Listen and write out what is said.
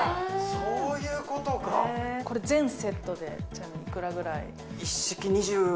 そういうことかこれ全セットでちなみにいくらぐらい？